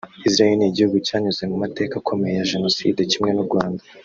Israel ni igihugu cyanyuze mu mateka akomeye ya Jenoside kimwe n’u Rwanda